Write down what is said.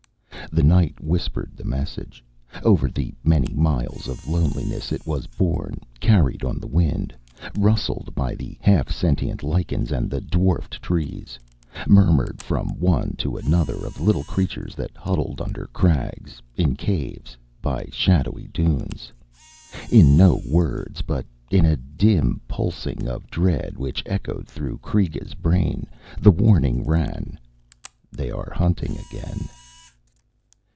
The night whispered the message. Over the many miles of loneliness it was borne, carried on the wind, rustled by the half sentient lichens and the dwarfed trees, murmured from one to another of the little creatures that huddled under crags, in caves, by shadowy dunes. In no words, but in a dim pulsing of dread which echoed through Kreega's brain, the warning ran _They are hunting again.